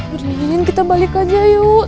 beringin kita balik aja yuk